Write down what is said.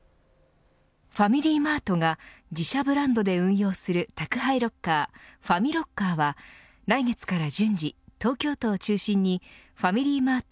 ファミリーマートが自社ブランドで運用する宅配ロッカーファミロッカーは来月から順次、東京都を中心にファミリーマート